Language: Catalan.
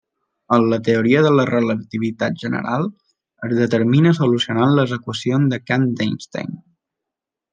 En la teoria de la relativitat general, es determina solucionant les equacions de camp d'Einstein.